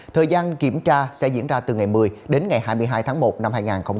thời gian kiểm tra sẽ diễn ra từ ngày một mươi đến ngày hai mươi hai tháng một năm hai nghìn hai mươi